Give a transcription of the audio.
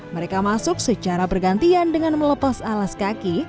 mereka masuk secara bergantian dengan melepas alas kaki